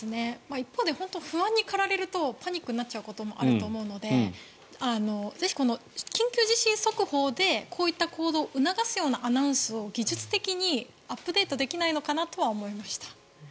一方で本当に不安に駆られるとパニックになっちゃうこともあると思うのでぜひ、緊急地震速報でこういった行動を促すようなアナウンスを技術的にアップデートできないのかなとは思いました。